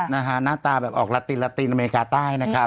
นะฮะหน้าตาแบบออกละติอเมริกาใต้นะครับ